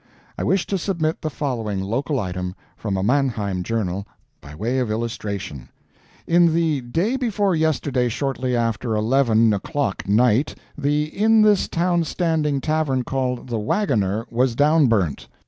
I wish to submit the following local item, from a Mannheim journal, by way of illustration: "In the daybeforeyesterdayshortlyaftereleveno'clock Night, the inthistownstandingtavern called 'The Wagoner' was downburnt.